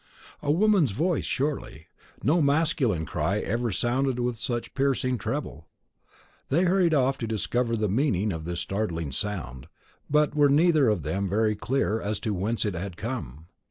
A woman's voice surely; no masculine cry ever sounded with such piercing treble. They hurried off to discover the meaning of this startling sound, but were neither of them very clear as to whence it had come.